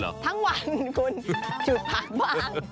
ทั้งวันคุณมันไม่ต้องช่วย